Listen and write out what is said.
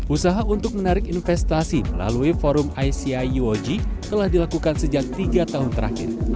usaha untuk menarik investasi melalui forum ici uog telah dilakukan sejak tiga tahun terakhir